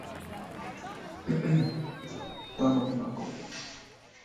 Meetings are still held here once a month.